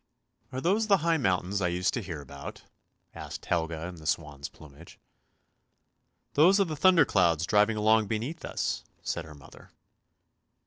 " Are those the high mountains I used to hear about? " asked Helga in the swan's plumage. " Those are thunder clouds driving along beneath us," said her mother.